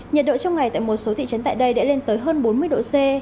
nhiệt độ trong ngày tại một số thị trấn tại đây đã lên tới hơn bốn mươi độ c